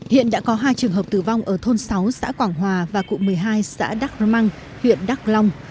hiện đã có hai trường hợp tử vong ở thôn sáu xã quảng hòa và cụ một mươi hai xã đắk rơ măng huyện đắk long